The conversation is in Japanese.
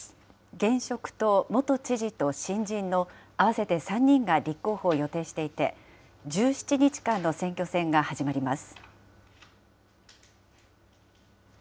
現職と元知事と新人の合わせて３人が立候補を予定していて、１７日間の選挙戦が始まります。